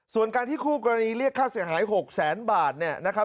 ส่วนการที่คู่กรณีเรียกค่าเสียหาย๖แสนบาทเนี่ยนะครับ